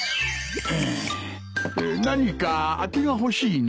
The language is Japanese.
何かあてが欲しいな。